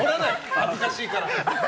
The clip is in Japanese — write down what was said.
恥ずかしいから。